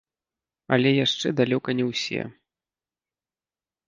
Але яшчэ далёка не ўсе.